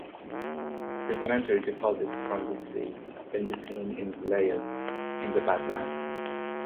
Sedimentary deposits from this sea can be seen in the layers in the badlands.